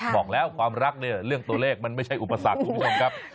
บอกแล้วความรักเนี่ยเรื่องตัวเลขมันไม่ใช่อุปสรรคคุณผู้ชมครับ